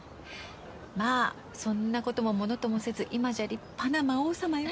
まあそんなこともものともせず今じゃ立派な魔王様よ。